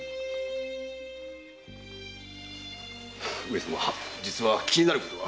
上様実は気になることが。